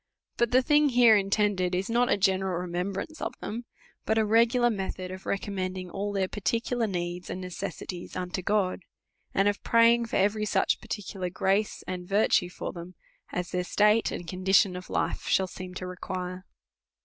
But the thing here intended is not a general remembrance of them, but a regular metiiod of recommending all their particular needs and necessities unto God ; and of praying for every such particular g race and virtue for them, as their state and condition of life shall see.n to require.